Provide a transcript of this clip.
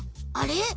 あれ？